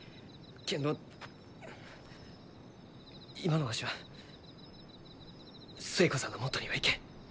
けんど今のわしは寿恵子さんのもとには行けん。